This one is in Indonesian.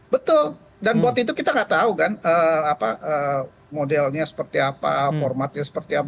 betul dan bot itu kita nggak tahu kan modelnya seperti apa formatnya seperti apa